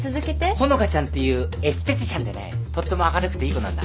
ほのかちゃんっていうエステティシャンでねとっても明るくていい子なんだ。